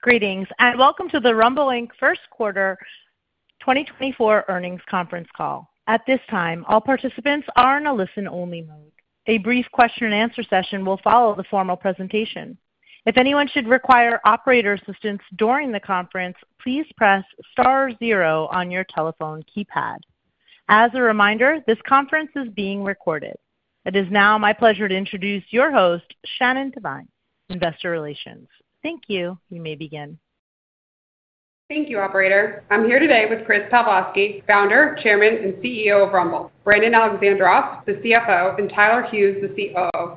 Greetings, and welcome to the Rumble Inc. first quarter 2024 earnings conference call. At this time, all participants are in a listen-only mode. A brief question-and-answer session will follow the formal presentation. If anyone should require operator assistance during the conference, please press star zero on your telephone keypad. As a reminder, this conference is being recorded. It is now my pleasure to introduce your host, Shannon Devine, Investor Relations. Thank you. You may begin. Thank you, operator. I'm here today with Chris Pavlovski, Founder, Chairman, and CEO of Rumble, Brandon Alexandroff, the CFO, and Tyler Hughes, the COO.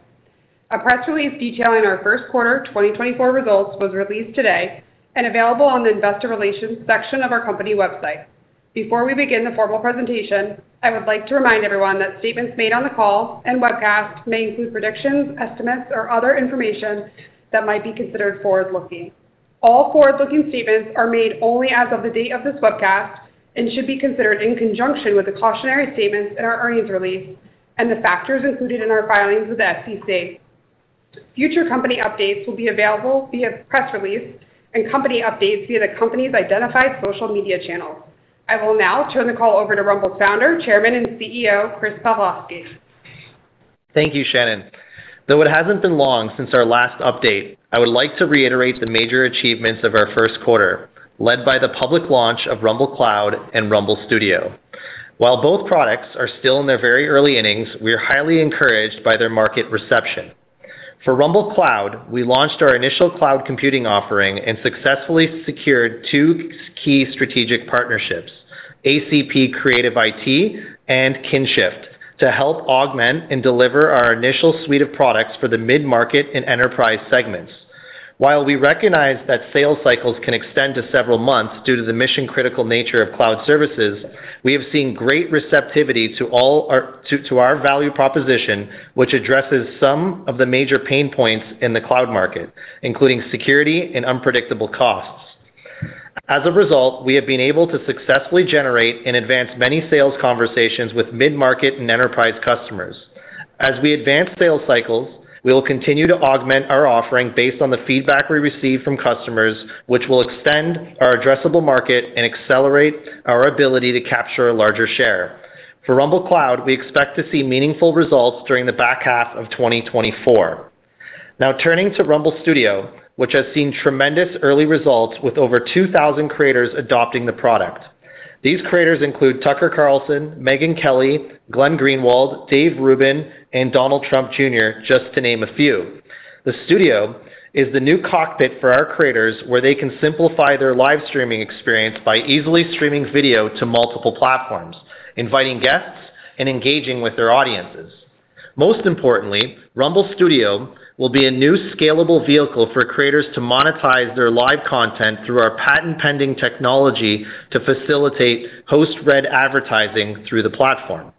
A press release detailing our first quarter 2024 results was released today and available on the investor relations section of our company website. Before we begin the formal presentation, I would like to remind everyone that statements made on the call and webcast may include predictions, estimates, or other information that might be considered forward-looking. All forward-looking statements are made only as of the date of this webcast and should be considered in conjunction with the cautionary statements in our earnings release and the factors included in our filings with the SEC. Future company updates will be available via press release and company updates via the company's identified social media channels. I will now turn the call over to Rumble Founder, Chairman, and CEO, Chris Pavlovski. Thank you, Shannon. Though it hasn't been long since our last update, I would like to reiterate the major achievements of our first quarter, led by the public launch of Rumble Cloud and Rumble Studio. While both products are still in their very early innings, we are highly encouraged by their market reception. For Rumble Cloud, we launched our initial cloud computing offering and successfully secured two key strategic partnerships, ACP CreativIT and Qinshift, to help augment and deliver our initial suite of products for the mid-market and enterprise segments. While we recognize that sales cycles can extend to several months due to the mission-critical nature of cloud services, we have seen great receptivity to all our value proposition, which addresses some of the major pain points in the cloud market, including security and unpredictable costs. As a result, we have been able to successfully generate and advance many sales conversations with mid-market and enterprise customers. As we advance sales cycles, we will continue to augment our offering based on the feedback we receive from customers, which will extend our addressable market and accelerate our ability to capture a larger share. For Rumble Cloud, we expect to see meaningful results during the back half of 2024. Now turning to Rumble Studio, which has seen tremendous early results with over 2,000 creators adopting the product. These creators include Tucker Carlson, Megyn Kelly, Glenn Greenwald, Dave Rubin, and Donald Trump Jr., just to name a few. The Studio is the new cockpit for our creators, where they can simplify their live streaming experience by easily streaming video to multiple platforms, inviting guests, and engaging with their audiences. Most importantly, Rumble Studio will be a new scalable vehicle for creators to monetize their live content through our patent-pending technology to facilitate host-read advertising through the platform.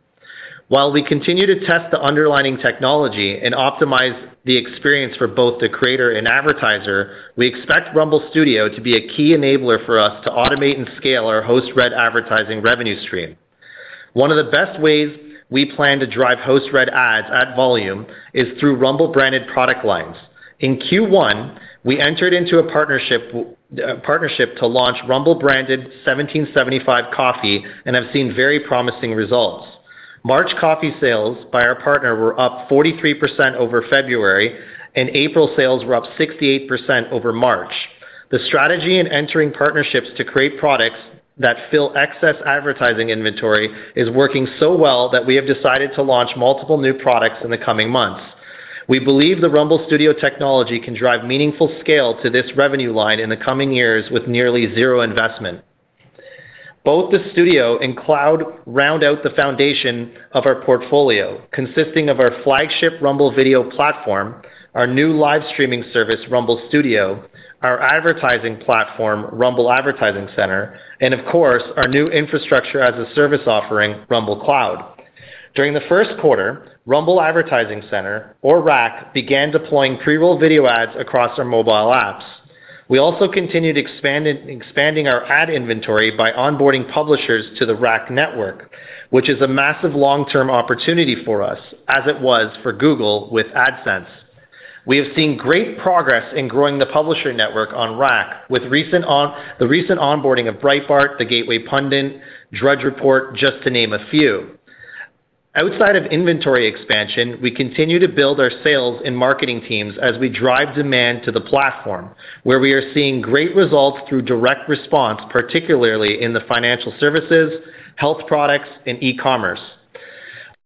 While we continue to test the underlying technology and optimize the experience for both the creator and advertiser, we expect Rumble Studio to be a key enabler for us to automate and scale our host-read advertising revenue stream. One of the best ways we plan to drive host-read ads at volume is through Rumble-branded product lines. In Q1, we entered into a partnership to launch Rumble-branded 1775 Coffee and have seen very promising results. March coffee sales by our partner were up 43% over February, and April sales were up 68% over March. The strategy in entering partnerships to create products that fill excess advertising inventory is working so well that we have decided to launch multiple new products in the coming months. We believe the Rumble Studio technology can drive meaningful scale to this revenue line in the coming years with nearly zero investment. Both the Studio and Cloud round out the foundation of our portfolio, consisting of our flagship Rumble Video platform, our new live streaming service, Rumble Studio, our advertising platform, Rumble Advertising Center, and of course, our new Infrastructure as a Service offering, Rumble Cloud. During the first quarter, Rumble Advertising Center, or RAC, began deploying pre-roll video ads across our mobile apps. We also continued expanding our ad inventory by onboarding publishers to the RAC network, which is a massive long-term opportunity for us, as it was for Google with AdSense. We have seen great progress in growing the publisher network on RAC, with the recent onboarding of Breitbart, The Gateway Pundit, Drudge Report, just to name a few. Outside of inventory expansion, we continue to build our sales and marketing teams as we drive demand to the platform, where we are seeing great results through direct response, particularly in the financial services, health products, and e-commerce.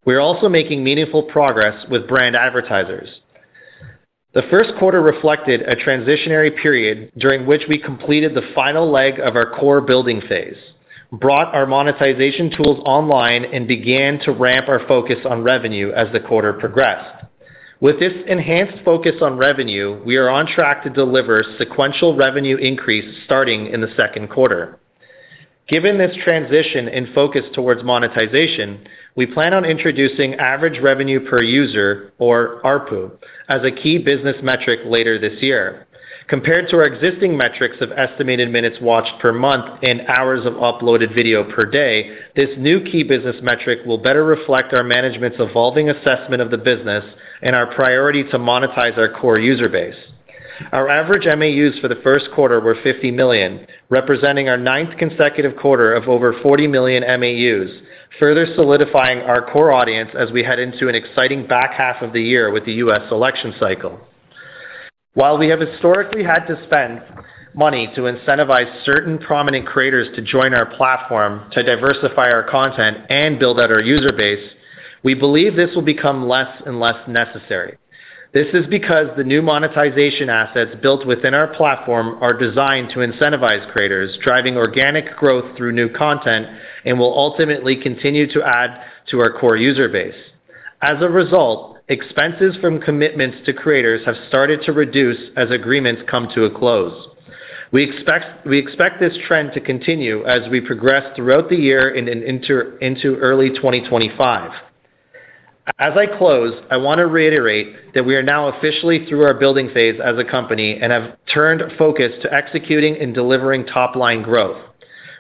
We are also making meaningful progress with brand advertisers. The first quarter reflected a transitionary period during which we completed the final leg of our core building phase, brought our monetization tools online, and began to ramp our focus on revenue as the quarter progressed. With this enhanced focus on revenue, we are on track to deliver sequential revenue increase starting in the second quarter. Given this transition and focus towards monetization, we plan on introducing average revenue per user, or ARPU, as a key business metric later this year. Compared to our existing metrics of estimated minutes watched per month and hours of uploaded video per day, this new key business metric will better reflect our management's evolving assessment of the business and our priority to monetize our core user base. Our average MAUs for the first quarter were 50 million, representing our ninth consecutive quarter of over 40 million MAUs, further solidifying our core audience as we head into an exciting back half of the year with the U.S. election cycle. While we have historically had to spend money to incentivize certain prominent creators to join our platform to diversify our content and build out our user base, we believe this will become less and less necessary. This is because the new monetization assets built within our platform are designed to incentivize creators, driving organic growth through new content and will ultimately continue to add to our core user base. As a result, expenses from commitments to creators have started to reduce as agreements come to a close. We expect this trend to continue as we progress throughout the year and into early 2025. As I close, I want to reiterate that we are now officially through our building phase as a company and have turned focus to executing and delivering top-line growth.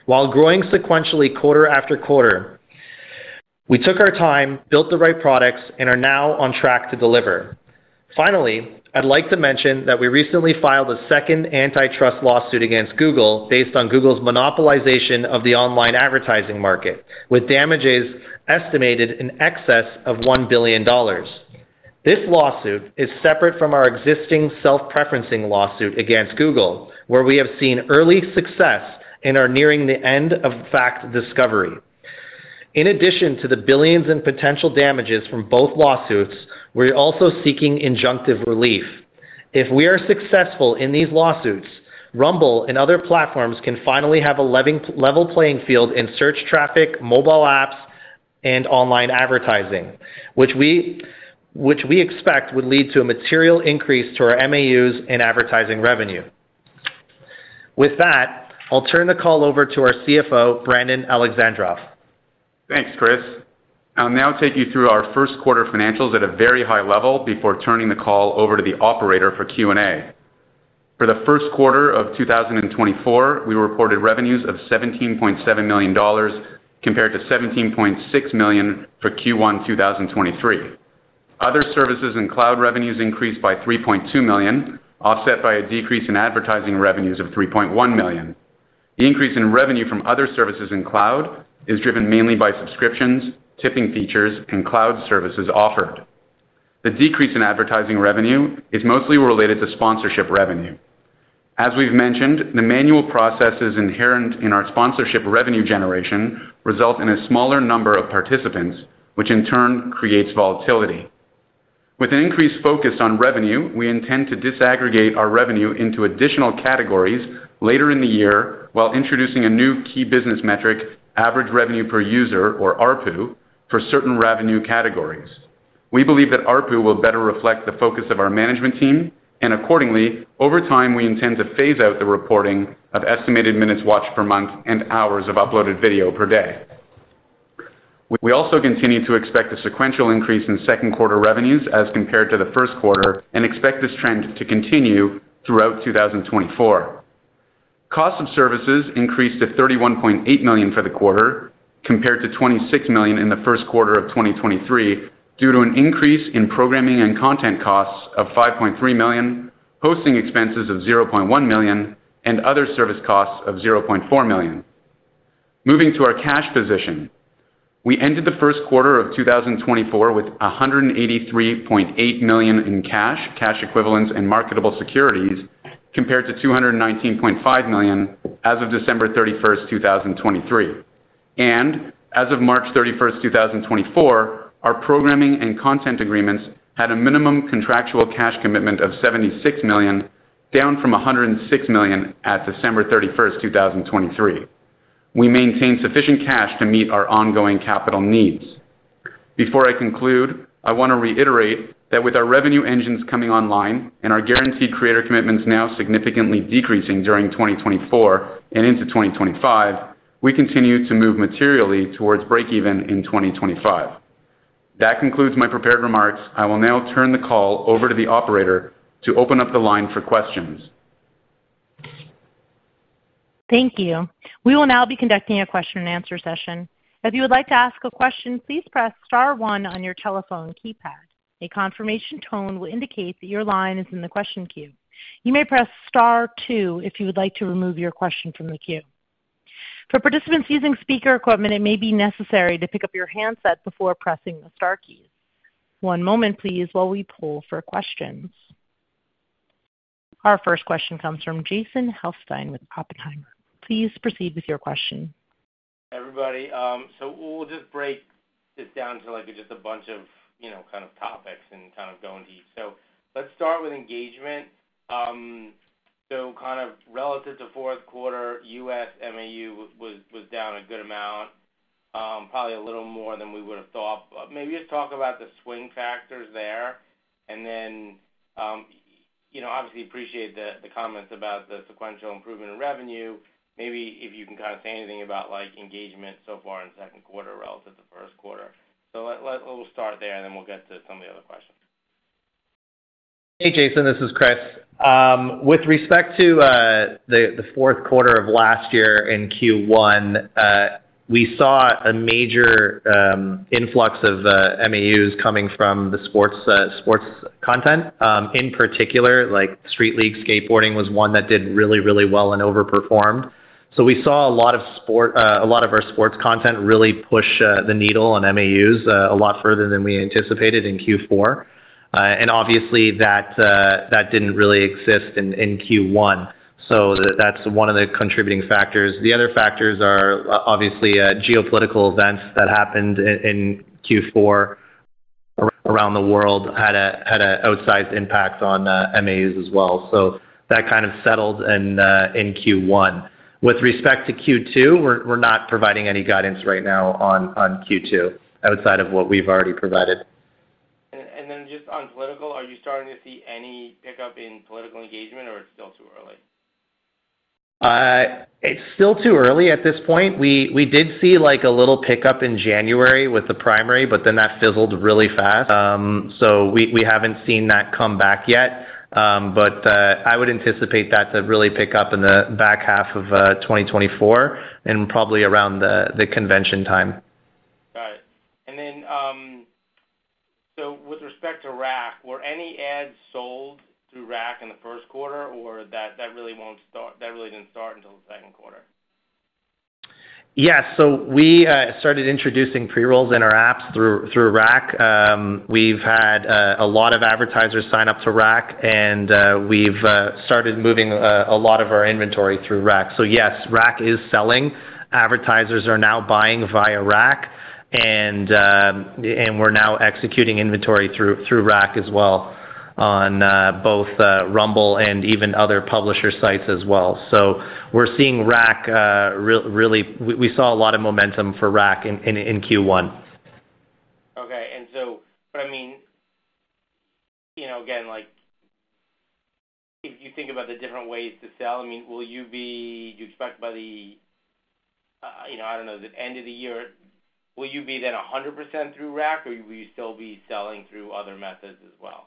While growing sequentially quarter after quarter, we took our time, built the right products, and are now on track to deliver. Finally, I'd like to mention that we recently filed a second antitrust lawsuit against Google based on Google's monopolization of the online advertising market, with damages estimated in excess of $1 billion. This lawsuit is separate from our existing self-preferencing lawsuit against Google, where we have seen early success and are nearing the end of fact discovery. In addition to the $ billions in potential damages from both lawsuits, we're also seeking injunctive relief. If we are successful in these lawsuits, Rumble and other platforms can finally have a level playing field in search traffic, mobile apps, and online advertising, which we, which we expect would lead to a material increase to our MAUs in advertising revenue. With that, I'll turn the call over to our CFO, Brandon Alexandroff. Thanks, Chris. I'll now take you through our first quarter financials at a very high level before turning the call over to the operator for Q&A. For the first quarter of 2024, we reported revenues of $17.7 million, compared to $17.6 million for Q1 2023. Other services and cloud revenues increased by $3.2 million, offset by a decrease in advertising revenues of $3.1 million. The increase in revenue from other services in cloud is driven mainly by subscriptions, tipping features, and cloud services offered. The decrease in advertising revenue is mostly related to sponsorship revenue. As we've mentioned, the manual processes inherent in our sponsorship revenue generation result in a smaller number of participants, which in turn creates volatility. With an increased focus on revenue, we intend to disaggregate our revenue into additional categories later in the year, while introducing a new key business metric, average revenue per user, or ARPU, for certain revenue categories. We believe that ARPU will better reflect the focus of our management team, and accordingly, over time, we intend to phase out the reporting of estimated minutes watched per month and hours of uploaded video per day. We also continue to expect a sequential increase in second quarter revenues as compared to the first quarter, and expect this trend to continue throughout 2024. Cost of services increased to $31.8 million for the quarter, compared to $26 million in the first quarter of 2023, due to an increase in programming and content costs of $5.3 million, hosting expenses of $0.1 million, and other service costs of $0.4 million. Moving to our cash position. We ended the first quarter of 2024 with $183.8 million in cash, cash equivalents, and marketable securities, compared to $219.5 million as of December 31, 2023. As of March 31, 2024, our programming and content agreements had a minimum contractual cash commitment of $76 million, down from $106 million at December 31, 2023. We maintain sufficient cash to meet our ongoing capital needs. Before I conclude, I want to reiterate that with our revenue engines coming online and our guaranteed creator commitments now significantly decreasing during 2024 and into 2025, we continue to move materially towards breakeven in 2025. That concludes my prepared remarks. I will now turn the call over to the operator to open up the line for questions. Thank you. We will now be conducting a question-and-answer session. If you would like to ask a question, please press star one on your telephone keypad. A confirmation tone will indicate that your line is in the question queue. You may press star two if you would like to remove your question from the queue. For participants using speaker equipment, it may be necessary to pick up your handset before pressing the star keys. One moment, please, while we pull for questions. Our first question comes from Jason Helfstein with Oppenheimer. Please proceed with your question. Everybody, so we'll just break this down to, like, just a bunch of, you know, kind of topics and kind of go into each. So let's start with engagement. So kind of relative to fourth quarter, U.S. MAU was down a good amount, probably a little more than we would have thought. Maybe just talk about the swing factors there, and then, you know, obviously, appreciate the comments about the sequential improvement in revenue. Maybe if you can kind of say anything about, like, engagement so far in the second quarter relative to first quarter. So we'll start there, and then we'll get to some of the other questions.... Hey, Jason, this is Chris. With respect to the fourth quarter of last year in Q1, we saw a major influx of MAUs coming from the sports content. In particular, like Street League Skateboarding was one that did really, really well and overperformed. So we saw a lot of our sports content really push the needle on MAUs a lot further than we anticipated in Q4. And obviously, that didn't really exist in Q1, so that's one of the contributing factors. The other factors are obviously geopolitical events that happened in Q4 around the world had an outsized impact on MAUs as well. So that kind of settled in Q1. With respect to Q2, we're not providing any guidance right now on Q2, outside of what we've already provided. And then just on political, are you starting to see any pickup in political engagement, or it's still too early? It's still too early at this point. We, we did see, like, a little pickup in January with the primary, but then that fizzled really fast. So we, we haven't seen that come back yet. But, I would anticipate that to really pick up in the back half of 2024, and probably around the convention time. Got it. And then, so with respect to RAC, were any ads sold through RAC in the first quarter, or that really didn't start until the second quarter? Yeah. So we started introducing pre-rolls in our apps through RAC. We've had a lot of advertisers sign up for RAC, and we've started moving a lot of our inventory through RAC. So yes, RAC is selling. Advertisers are now buying via RAC, and we're now executing inventory through RAC as well on both Rumble and even other publisher sites as well. So we're seeing RAC really. We saw a lot of momentum for RAC in Q1. Okay. And so, but I mean, you know, again, like, if you think about the different ways to sell, I mean, do you expect by the, you know, I don't know, the end of the year, will you be then 100% through RAC, or will you still be selling through other methods as well?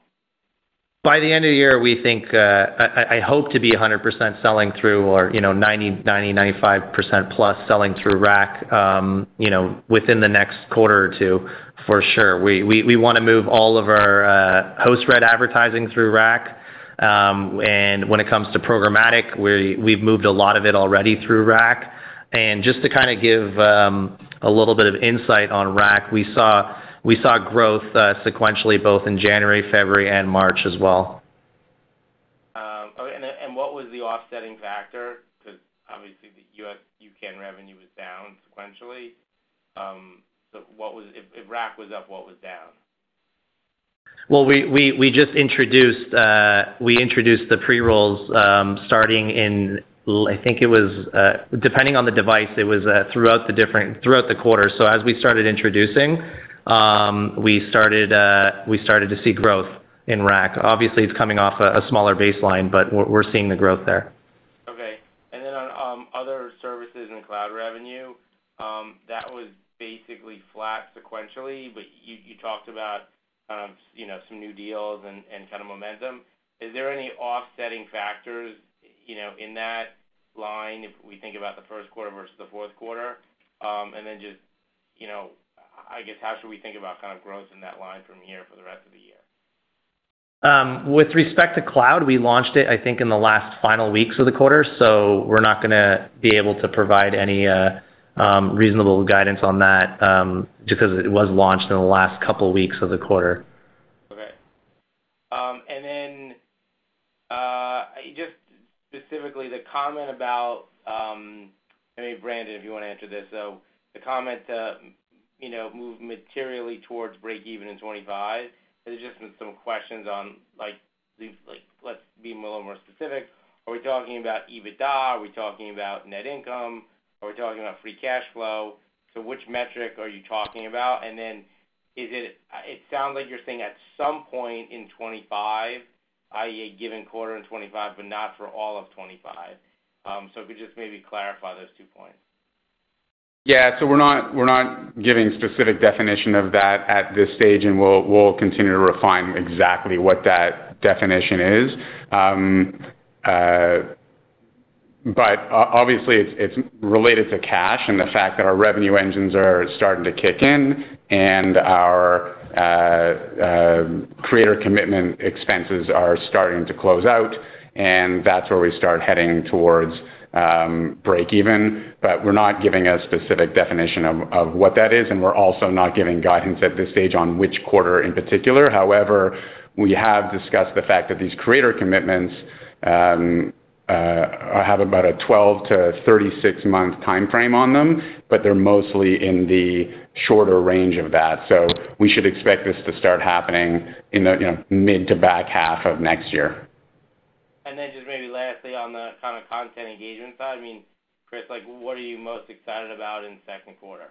By the end of the year, we think, I hope to be 100% selling through or, you know, 90%-95% plus selling through RAC, within the next quarter or two, for sure. We wanna move all of our host read advertising through RAC. And when it comes to programmatic, we've moved a lot of it already through RAC. And just to kind of give a little bit of insight on RAC, we saw growth sequentially, both in January, February, and March as well. Okay. And, and what was the offsetting factor? Because obviously, the U.S., U.K. revenue was down sequentially. So what was... If, if RAC was up, what was down? Well, we just introduced the pre-rolls, starting in—I think it was, depending on the device, it was, throughout the different—throughout the quarter. So as we started introducing, we started to see growth in RAC. Obviously, it's coming off a smaller baseline, but we're seeing the growth there. Okay. And then on other services and cloud revenue, that was basically flat sequentially, but you, you talked about, you know, some new deals and, and kind of momentum. Is there any offsetting factors, you know, in that line, if we think about the first quarter versus the fourth quarter? And then just, you know, I, I guess, how should we think about kind of growth in that line from here for the rest of the year? With respect to cloud, we launched it, I think, in the last final weeks of the quarter, so we're not gonna be able to provide any reasonable guidance on that, because it was launched in the last couple weeks of the quarter. Okay. And then, just specifically, the comment about... Maybe, Brandon, if you wanna answer this. So the comment, you know, move materially towards break even in 2025, there's just been some questions on, like, these-- like, let's be a little more specific. Are we talking about EBITDA? Are we talking about net income? Are we talking about free cash flow? So which metric are you talking about? And then it sounds like you're saying at some point in 2025, i.e., a given quarter in 2025, but not for all of 2025. So if you could just maybe clarify those two points. Yeah. So we're not, we're not giving specific definition of that at this stage, and we'll, we'll continue to refine exactly what that definition is. But obviously, it's, it's related to cash and the fact that our revenue engines are starting to kick in, and our, uh, uh, creator commitment expenses are starting to close out, and that's where we start heading towards, break even. But we're not giving a specific definition of, of what that is, and we're also not giving guidance at this stage on which quarter in particular. However, we have discussed the fact that these creator commitments, have about a 12- to 36-month timeframe on them, but they're mostly in the shorter range of that. So we should expect this to start happening in the, you know, mid to back half of next year. And then just maybe lastly, on the kind of content engagement side, I mean, Chris, like, what are you most excited about in the second quarter?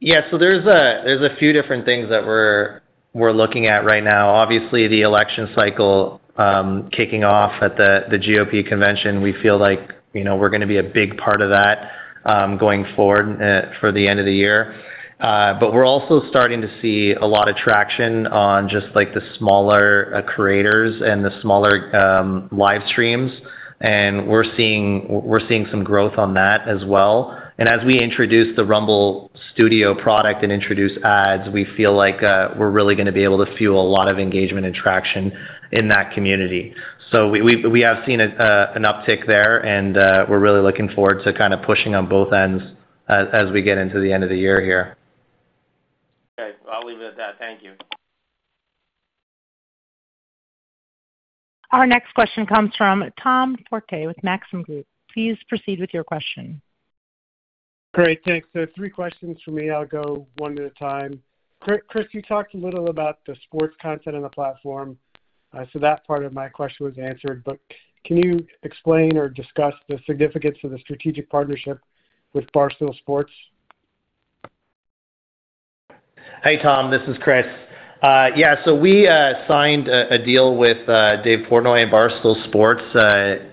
Yeah. So there's a few different things that we're looking at right now. Obviously, the election cycle kicking off at the GOP convention, we feel like, you know, we're gonna be a big part of that going forward for the end of the year. But we're also starting to see a lot of traction on just, like, the smaller creators and the smaller live streams, and we're seeing some growth on that as well. And as we introduce the Rumble Studio product and introduce ads, we feel like we're really gonna be able to fuel a lot of engagement and traction in that community. So we have seen an uptick there, and we're really looking forward to kind of pushing on both ends as we get into the end of the year here. Okay, I'll leave it at that. Thank you. Our next question comes from Tom Forte with Maxim Group. Please proceed with your question. Great, thanks. So three questions for me. I'll go one at a time. Chris, you talked a little about the sports content on the platform, so that part of my question was answered, but can you explain or discuss the significance of the strategic partnership with Barstool Sports? Hey, Tom, this is Chris. We signed a deal with Dave Portnoy and Barstool Sports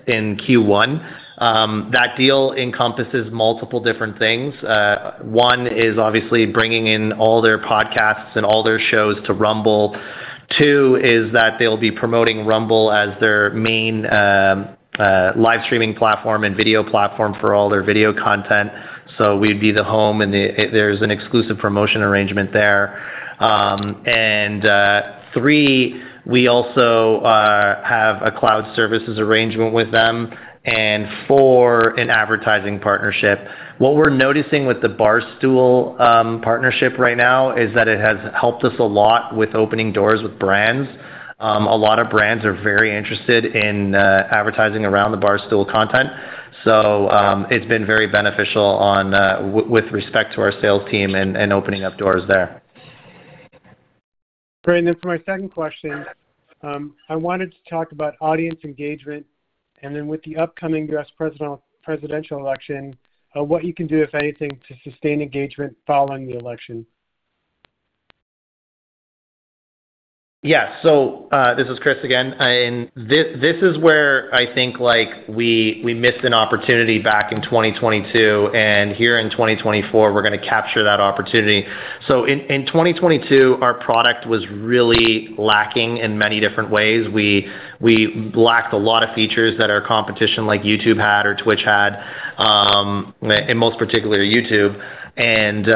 in Q1. That deal encompasses multiple different things. One is obviously bringing in all their podcasts and all their shows to Rumble. Two, is that they'll be promoting Rumble as their main live streaming platform and video platform for all their video content. So we'd be the home, and there's an exclusive promotion arrangement there. Three, we also have a cloud services arrangement with them, and four, an advertising partnership. What we're noticing with the Barstool partnership right now is that it has helped us a lot with opening doors with brands. A lot of brands are very interested in advertising around the Barstool content, so it's been very beneficial with respect to our sales team and opening up doors there. Great. For my second question, I wanted to talk about audience engagement, and then with the upcoming U.S. presidential election, what you can do, if anything, to sustain engagement following the election? Yeah. So, this is Chris again, and this is where I think, like, we missed an opportunity back in 2022, and here in 2024, we're gonna capture that opportunity. So in 2022, our product was really lacking in many different ways. We lacked a lot of features that our competition, like YouTube had or Twitch had, and most particularly YouTube. And,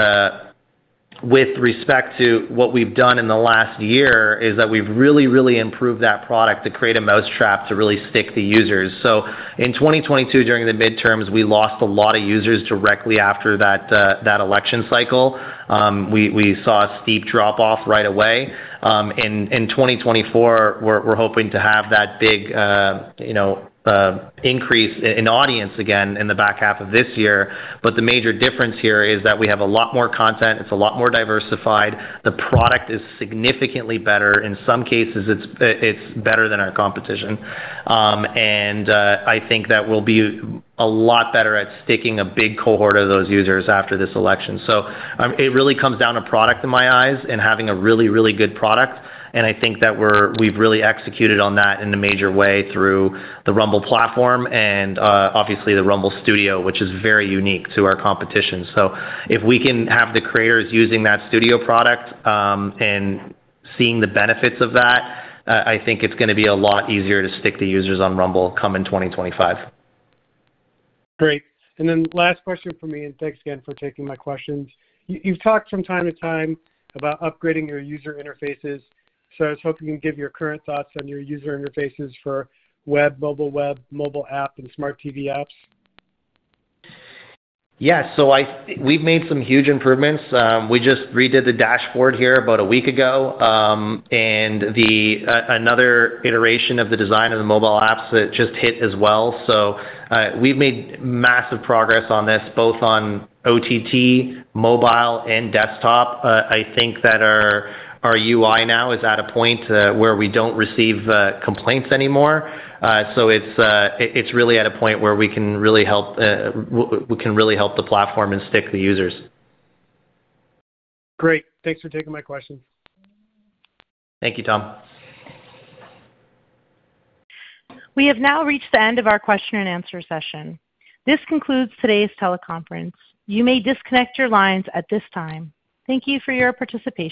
with respect to what we've done in the last year, is that we've really, really improved that product to create a mousetrap to really stick the users. So in 2022, during the midterms, we lost a lot of users directly after that election cycle. We saw a steep drop-off right away. In 2024, we're hoping to have that big, you know, increase in audience again in the back half of this year. But the major difference here is that we have a lot more content. It's a lot more diversified. The product is significantly better. In some cases, it's better than our competition. And I think that we'll be a lot better at sticking a big cohort of those users after this election. So it really comes down to product, in my eyes, and having a really, really good product. And I think that we've really executed on that in a major way through the Rumble platform and obviously, the Rumble Studio, which is very unique to our competition. So if we can have the creators using that studio product and seeing the benefits of that, I think it's gonna be a lot easier to stick the users on Rumble come in 2025. Great. And then last question for me, and thanks again for taking my questions. You've talked from time to time about upgrading your user interfaces, so I was hoping you can give your current thoughts on your user interfaces for web, mobile web, mobile app, and smart TV apps. Yeah, so we've made some huge improvements. We just redid the dashboard here about a week ago, and another iteration of the design of the mobile apps that just hit as well. So, we've made massive progress on this, both on OTT, mobile, and desktop. I think that our UI now is at a point where we don't receive complaints anymore. So it's really at a point where we can really help the platform and stick the users. Great. Thanks for taking my question. Thank you, Tom. We have now reached the end of our question and answer session. This concludes today's teleconference. You may disconnect your lines at this time. Thank you for your participation.